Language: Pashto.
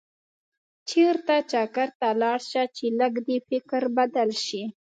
چېرته چکر ته لاړ شه چې لږ دې فکر بدل شي.